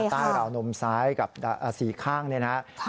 ใต้เหล่านมซ้ายกับสี่ข้างนะครับ